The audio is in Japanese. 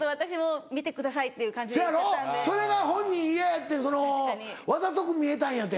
それが本人イヤやってんあざとく見えたんやて。